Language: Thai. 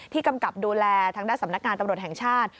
กำกับดูแลทางด้านสำนักงานตำรวจแห่งชาติ